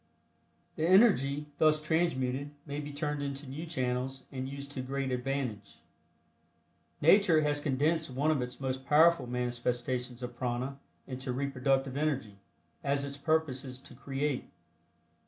The energy thus transmuted may be turned into new channels and used to great advantage. Nature has condensed one of its most powerful manifestations of prana into reproductive energy, as its purpose is to create.